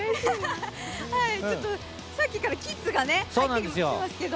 さっきからキッズが入ってきていますけど。